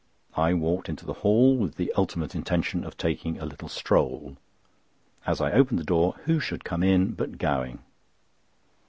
I walked into the hall with the ultimate intention of taking a little stroll. As I opened the door, who should come in but Gowing!